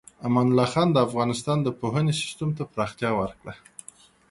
امان الله خان د افغانستان د پوهنې سیستم ته پراختیا ورکړه.